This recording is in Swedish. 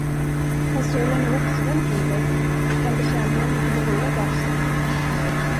Har solen nu också ventiler och kan betjäningen inte behålla gasen?